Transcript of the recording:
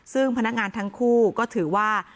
ซึ่งพนักงานทั้งคู่ก็ถือว่า